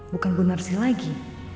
bukan gunarsi lagi